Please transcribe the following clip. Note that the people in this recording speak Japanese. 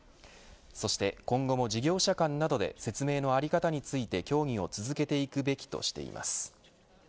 そして今後も事業者間などで説明の在り方について協議を続けていくべきとしています。